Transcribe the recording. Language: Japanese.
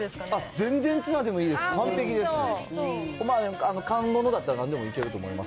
全然ツナでもいいです、完璧です。